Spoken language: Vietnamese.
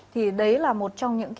thì đấy là một trong những